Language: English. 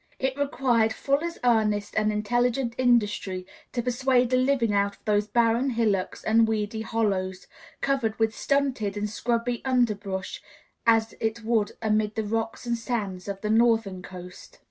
It required full as earnest and intelligent industry to persuade a living out of those barren hillocks and weedy hollows, covered with stunted and scrubby underbrush, as it would amid the rocks and sands of the northern coast.